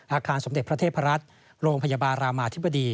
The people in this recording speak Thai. อาคารสมเด็จพระเทพรัฐโรงพยาบาลรามาธิบดี